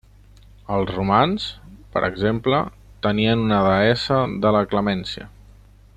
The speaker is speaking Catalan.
Els romans, per exemple, tenien una deessa de la Clemència.